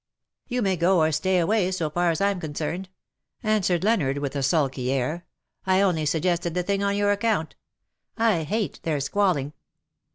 ''^" You may go or stay away, so far as I'm con cerned,'' answered Leonard, with a sulky air. " 1 only suggested the thing on your account. I hate their squalling."